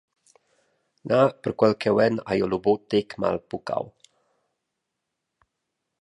Na, per quel cheuen hai jeu lu buca tec malpuccau.